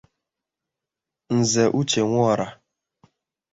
Nze Uche Nworah